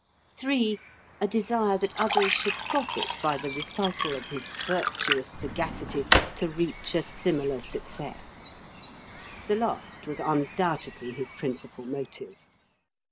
(3) A desire that others should profit by the recital of his virtuous sagacity to reach a similar success. The last was undoubtedly his principal motive.